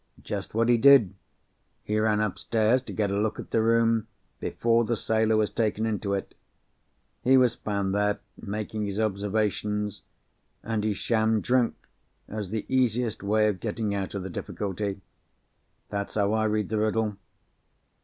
Just what he did! He ran upstairs to get a look at the room, before the sailor was taken into it. He was found there, making his observations—and he shammed drunk, as the easiest way of getting out of the difficulty. That's how I read the riddle.